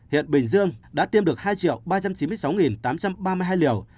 hiện bình dương đã tiêm được hai ba trăm chín mươi sáu tám trăm ba mươi hai liều